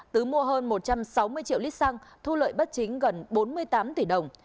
tứ mua hơn một trăm sáu mươi triệu lít xăng thu lợi bất chính gần bốn mươi tám tỷ đồng